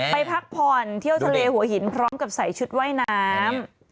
พักผ่อนเที่ยวทะเลหัวหินพร้อมกับใส่ชุดว่ายน้ำ